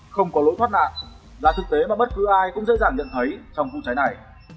không có lối thoát nạn là thực tế mà bất cứ ai cũng dễ dàng nhận thấy trong vụ cháy này